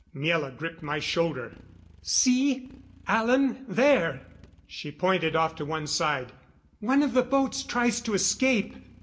Miela gripped my shoulder. "See, Alan there!" She pointed off to one side. "One of the boats tries to escape."